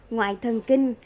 ngoại thân kinh